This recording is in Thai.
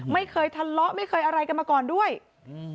ไม่เคยทะเลาะไม่เคยอะไรกันมาก่อนด้วยอืม